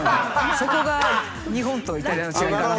そこが日本とイタリアの違いかな。